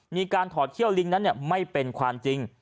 ถอดเขี้ยวลิงนั้นไม่เป็นความจริง